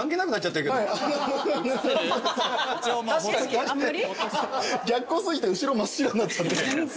逆光過ぎて後ろ真っ白になっちゃって。